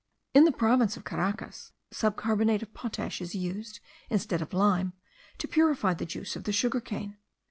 In the province of Caracas subcarbonate of potash is used, instead of lime, to purify the juice of the sugar cane.